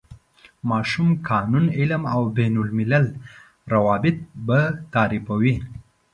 ماشوم، قانون، علم او بین الملل روابط به تعریفوي.